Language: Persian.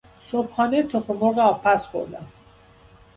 صبحانه تخم مرغ آبپز خوردم.